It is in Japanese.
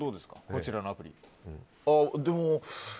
こちらのアプリ。